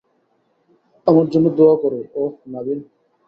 আমার জন্য দোয়া করো ওহ, নাভিন।